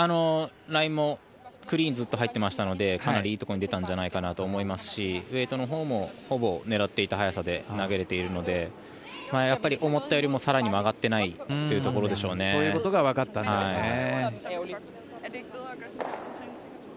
ラインもクリーンにずっと入っていましたのでかなりいいところに出たんじゃないかと思いますしウェイトのほうもほぼ狙っていた速さで投げられているのでやっぱり思ったよりも更に曲がっていないということでしょうね。ということがわかったんですね。